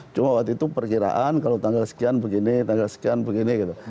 cuma waktu itu perkiraan kalau tanggal sekian begini tanggal sekian begini gitu